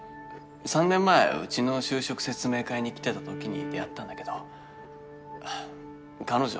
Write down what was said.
３年前うちの就職説明会に来てたときに出会ったんだけど彼女